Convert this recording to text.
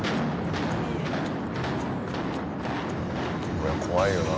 これは怖いよな。